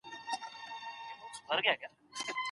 د دولتي پلان له مخي به نوي څېړني تنظیم سي.